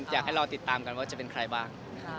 อยากให้รอติดตามกันว่าจะเป็นใครบ้าง